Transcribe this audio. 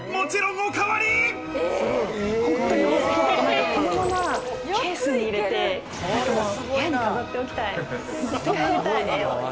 このままケースに入れて部屋に飾っておきたい。